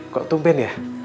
kok tumpen ya